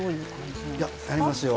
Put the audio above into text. いややりますよ。